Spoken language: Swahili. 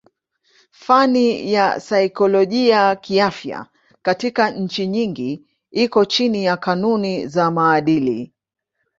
Fani ya saikolojia kiafya katika nchi nyingi iko chini ya kanuni za maadili.